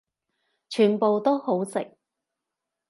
全部都好食